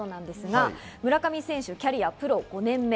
村上選手のキャリア、プロ５年目。